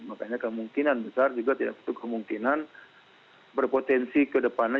makanya kemungkinan besar juga tidak satu kemungkinan berpotensi ke depannya